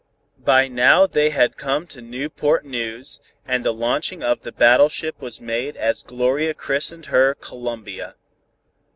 By now they had come to Newport News and the launching of the battleship was made as Gloria christened her _Columbia.